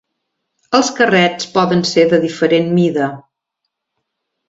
Els carrets poden ser de diferent mida.